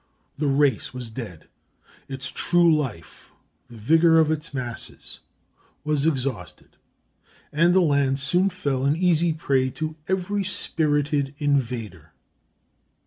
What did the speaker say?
The race was dead; its true life, the vigor of its masses, was exhausted, and the land soon fell an easy prey to every spirited invader.